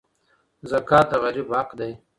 زکات د غریب حق دی.